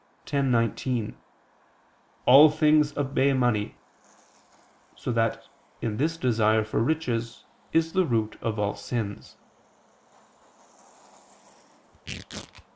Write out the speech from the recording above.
10:19: "All things obey money": so that in this desire for riches is the root of all sins.